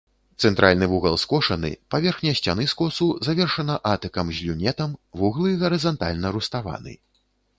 Цэнтральны вугал скошаны, паверхня сцяны скосу завершана атыкам з люнетам, вуглы гарызантальна руставаны.